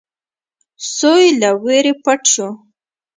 سوی له وېرې پټ شو.